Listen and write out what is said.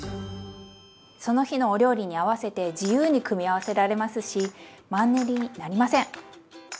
その日のお料理に合わせて自由に組み合わせられますしマンネリになりません！